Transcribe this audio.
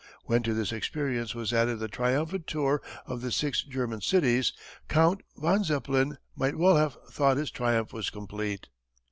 When to this experience was added the triumphant tour of the six German cities, Count von Zeppelin might well have thought his triumph was complete.